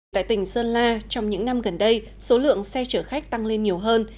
tại tỉnh sơn la trong những năm gần đây số lượng xe chở khách tăng lên nhiều hơn